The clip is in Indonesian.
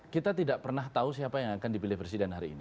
kita tidak pernah tahu siapa yang akan dipilih presiden hari ini